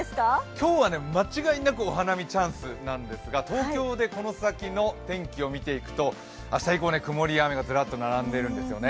今日は間違いなくお花見チャンスなんですが東京でこの先の天気を見ていくと、明日以降、曇りや雨がずらっと並んでいるんですよね。